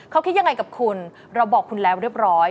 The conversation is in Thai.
เขาคิดยังไงกับคุณเราบอกคุณแล้วเรียบร้อย